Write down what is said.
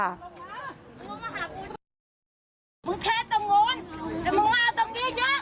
แม่ลูกกูละลูกกูตัวนิดเดียวเขียนสิบขวัก